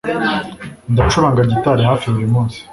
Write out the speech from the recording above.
Ndacuranga gitari hafi buri munsi